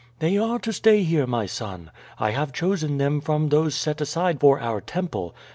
"They are to stay here, my son. I have chosen them from those set aside for our temple.